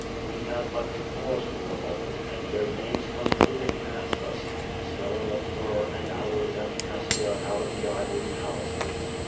We have but to pause for a moment and their names come trooping past us smelling of myrrh and aloes and cassia out of the ivory palaces.